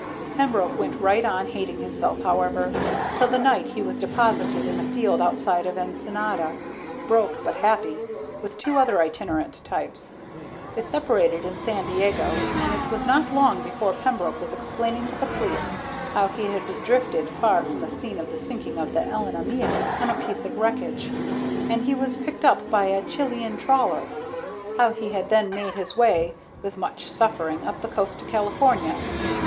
Pembroke went right on hating himself, however, till the night he was deposited in a field outside of Ensenada, broke but happy, with two other itinerant types. They separated in San Diego, and it was not long before Pembroke was explaining to the police how he had drifted far from the scene of the sinking of the Elena Mia on a piece of wreckage, and had been picked up by a Chilean trawler. How he had then made his way, with much suffering, up the coast to California.